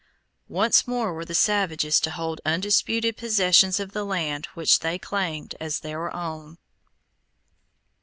Once more were the savages to hold undisputed possession of the land which they claimed as their own.